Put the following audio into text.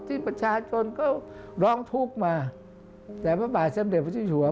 ที่ประชาชนก็ร้องทุกข์มาแต่พระบาทสำเร็จพอที่ชัวร์